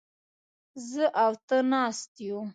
زه او ته ناست يوو.